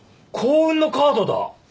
幸運のカードだ！